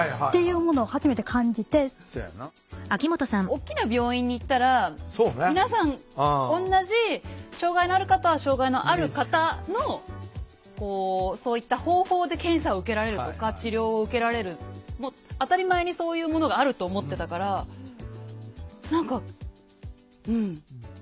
大きな病院に行ったら皆さん同じ障害のある方は障害のある方のそういった方法で検査を受けられるとか治療を受けられるもう当たり前にそういうものがあると思ってたから何かうん。